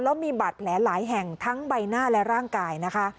แล้วมีบาดแผลหลายแห่งทั้งใบหน้าและร่างกายนะคะ